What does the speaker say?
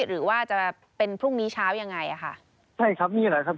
หรือว่าจะเป็นพรุ่งนี้เช้ายังไงอ่ะค่ะใช่ครับนี่แหละครับ